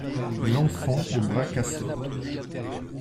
L’enfant au bras cassé.